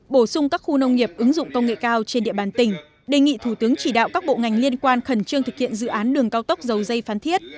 bổ sung các khu nông nghiệp ứng dụng công nghệ cao trên địa bàn tỉnh đề nghị thủ tướng chỉ đạo các bộ ngành liên quan khẩn trương thực hiện dự án đường cao tốc dầu dây phan thiết